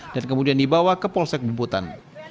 dan kemudian dibawa ke polsek bumputan